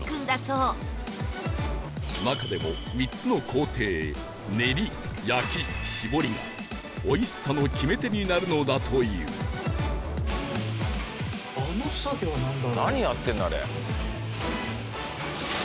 中でも３つの工程練り焼き絞りが美味しさの決め手になるのだというなんだ？